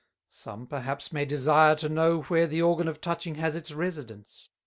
Some, perhaps, may desire to know where the Organ of Touching has its Residence.